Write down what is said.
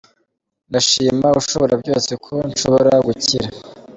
Ndashima ushobora byose ko nshobora gukira.